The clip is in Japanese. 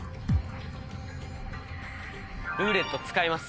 「ルーレット」使います。